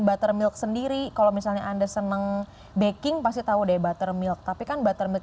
buttermilk sendiri kalau misalnya anda seneng baking pasti tahu deh buttermilk tapi kan buttermil